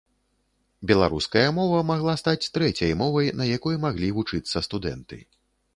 Беларуская мова магла стаць трэцяй мовай, на якой маглі вучыцца студэнты.